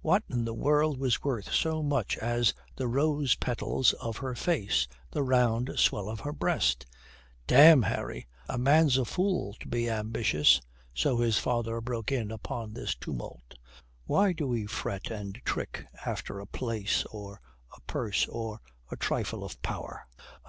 What in the world was worth so much as the rose petals of her face, the round swell of her breast? "Damme, Harry, a man's a fool to be ambitious," so his father broke in upon this tumult. "Why do we fret and trick after a place, or a purse, or a trifle of power?"